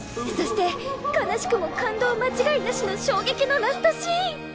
そして悲しくも感動間違いなしの衝撃のラストシーン！